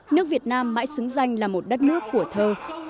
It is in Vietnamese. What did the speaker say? nước việt nam mãi xứng danh là một đất nước của thơ